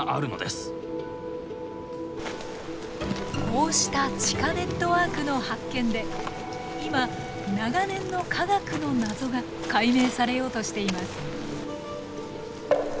こうした地下ネットワークの発見で今長年の科学の謎が解明されようとしています。